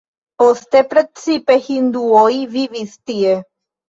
Poste precipe hinduoj vivis tie.